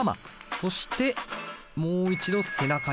そしてもう一度背中に回る。